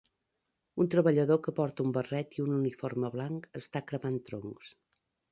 Un treballador que porta un barret i un uniforme blanc està cremant troncs